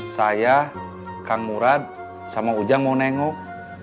saya kang murad sama ujang mau nengok